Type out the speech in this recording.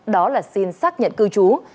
đó là xin xác nhận cư trú